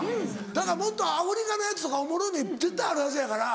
だからもっとアフリカのやつとかおもろいの絶対あるはずやから。